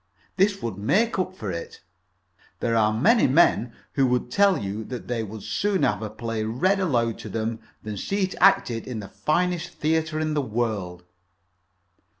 This would make up for it. There are many men who would tell you that they would sooner have a play read aloud to them than see it acted in the finest theatre in the world."